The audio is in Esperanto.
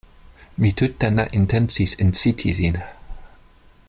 Mi tute ne intencis inciti Vin!